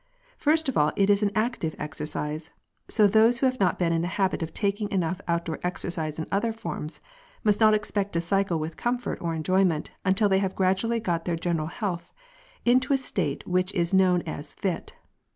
First of all it is an active exercise, so those who have not been in the habit of taking enough outdoor exercise in other forms, must not expect to cycle with comfort or enjoyment until they have gradually got their general health, into a state which is known as "fit."